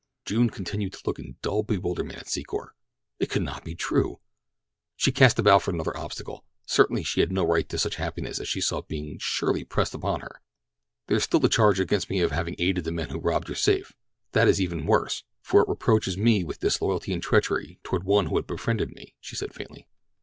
June continued to look in dull bewilderment at Secor. It could not be true! She cast about for another obstacle. Certainly she had no right to such happiness as she saw being surely pressed upon her. "There is still the charge against me of having aided the men who robbed your safe—that is even worse, for it reproaches me with disloyalty and treachery toward one who had befriended me," she said faintly.